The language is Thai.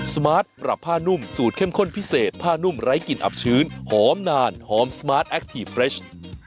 สมาร์ทปรับผ้านุ่มสูตรเข้มข้นพิเศษผ้านุ่มไร้กลิ่นอับชื้นหอมนานหอมสมาร์ทแอคทีฟเรช